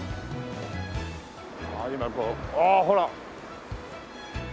今こうああほら！